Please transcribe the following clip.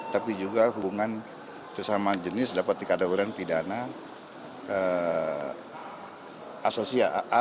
tapi juga hubungan sesama jenis dapat dikadauran pidana asosial